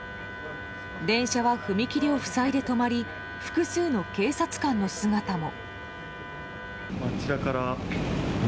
電車は踏切を塞いで止まり複数の警察官の姿も。